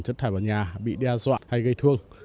chất thải vào nhà bị đe dọa hay gây thương